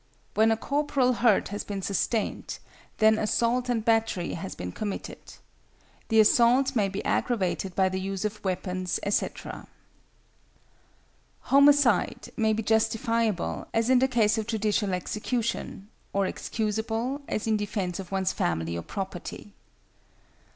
When a corporal hurt has been sustained, then assault and battery has been committed. The assault may be aggravated by the use of weapons, etc. =Homicide= may be justifiable, as in the case of judicial execution, or excusable, as in defence of one's family or property.